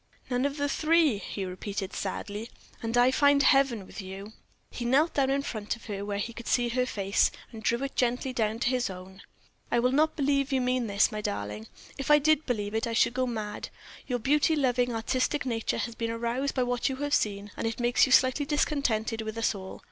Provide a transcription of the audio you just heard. "None of the three!" he repeated, sadly, "and I find heaven with you." He knelt down in front of her, where he could see her face, and he drew it gently down to his own. "I will not believe you mean this, my darling; if I did believe it I should go mad. Your beauty loving, artistic nature has been aroused by what you have seen, and it makes you slightly discontented with us all.